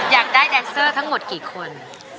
อยากได้แดนเซอร์ทั้งหมดกี่คน